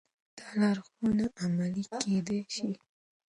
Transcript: دا لارښوونه عملي کېدای شي.